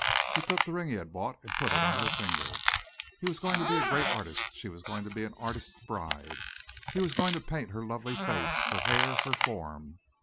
He took the ring he had bought and put it on her finger. He was going to be a great artist, she was going to be an artist's bride; he was going to paint her lovely face, her hair, her form.